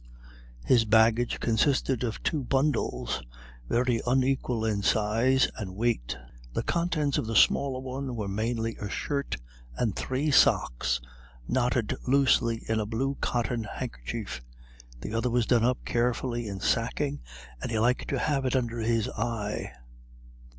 His baggage consisted of two bundles, very unequal in size and weight. The contents of the smaller one were mainly a shirt and three socks, knotted loosely in a blue cotton handkerchief; the other was done up carefully in sacking, and he liked to have it under his eye.